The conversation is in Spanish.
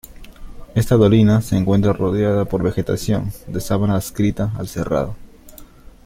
Esta dolina se encuentra rodeada por vegetación de sabana adscrita al cerrado.